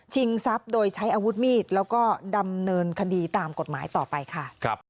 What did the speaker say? ทรัพย์โดยใช้อาวุธมีดแล้วก็ดำเนินคดีตามกฎหมายต่อไปค่ะ